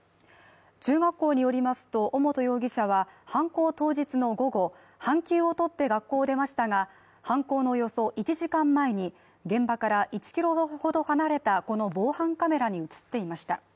中学校によりますと、尾本容疑者は犯行当日の午後半休を取って学校を出ましたが、犯行のおよそ１時間前に現場から１キロほど離れたこの防犯カメラに映っていました。